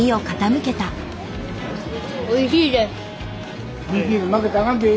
おいしいです。